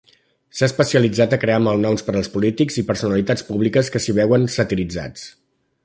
S'ha especialitzat a crear malnoms per als polítics i personalitats públiques que s'hi veuen satiritzats.